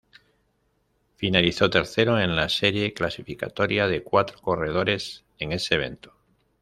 Finalizó tercero en la serie clasificatoria de cuatro corredores en ese evento.